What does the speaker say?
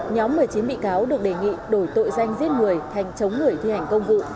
nhóm một mươi chín bị cáo được đề nghị đổi tội danh giết người thành chống người thi hành công vụ